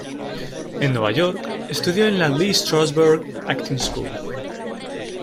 En Nueva York, estudió en la Lee Strasberg Acting School.